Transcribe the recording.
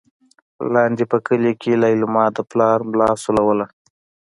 لاندې په کلي کې لېلما د پلار ملا سولوله.